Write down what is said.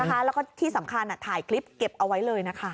แล้วก็ที่สำคัญถ่ายคลิปเก็บเอาไว้เลยนะคะ